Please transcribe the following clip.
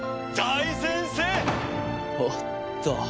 おっと？